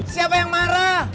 siapa yang marah